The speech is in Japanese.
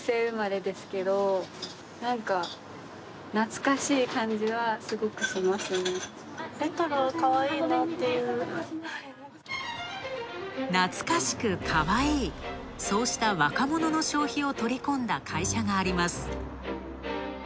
懐かしく、かわいい、そうした若者の消費を取り込んだ会社があります。